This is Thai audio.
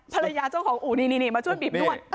เจ้าของอู่นี่มาช่วยบีบนวด